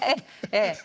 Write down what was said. ええ。